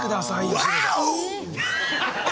ワオ！